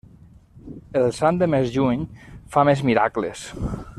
El sant de més lluny fa més miracles.